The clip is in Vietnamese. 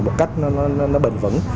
một cách nó bền vững